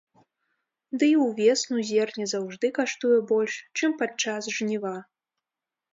Ды і ўвесну зерне заўжды каштуе больш, чым падчас жніва.